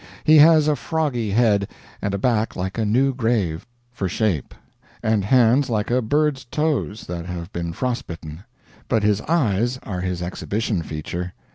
He has a froggy head, and a back like a new grave for shape; and hands like a bird's toes that have been frostbitten. But his eyes are his exhibition feature.